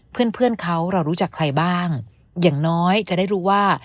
เพื่อนเพื่อนเขาเรารู้จักใครบ้างอย่างน้อยจะได้รู้ว่า